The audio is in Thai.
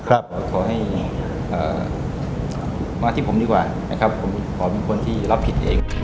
พระอาทิตย์และพระนักศึกษาภาคมีการที่จะพยายามติดศิลป์บ่นเจ้าพระงานนะครับ